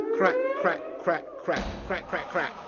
Crack, crack, crack, crack. Crack crack crack.